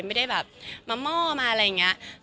ไม่ได้แบบมาหม้อมาอะไรอย่างนี้